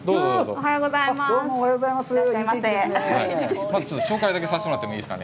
おはようございます。